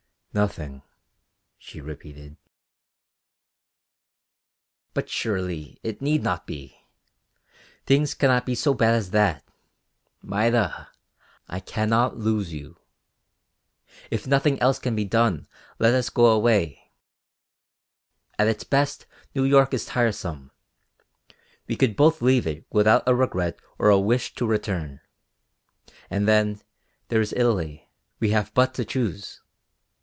"Nothing," she repeated. "But surely it need not be. Things cannot be so bad as that Maida, I cannot lose you. If nothing else can be done, let us go away; at its best New York is tiresome; we could both leave it without a regret or a wish to return. And then, there is Italy; we have but to choose.